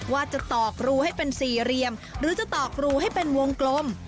ว่าจะตอกรูให้เป็นสี่เหลี่ยมหรือจะตอกรูให้เป็นวงกลม